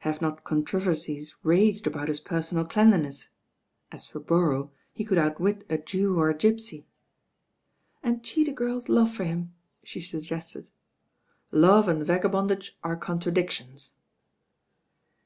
Have not controversies raged about his per sonal cleanliness? As for Borrow, he could outwit a Jew or a gipsy." "And cheat a girl's love for him," she suggested. "Love and vagabondage are contradictions."